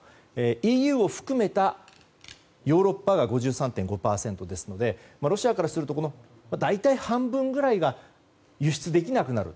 ＥＵを含めたヨーロッパが５３．５％ですのでロシアからすると大体半分くらいが輸出できなくなる。